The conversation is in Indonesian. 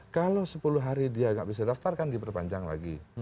kalau sepuluh hari dia nggak bisa daftar kan diperpanjang lagi